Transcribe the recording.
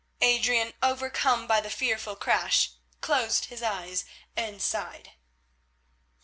Adrian, overcome by the fearful crash, closed his eyes and sighed.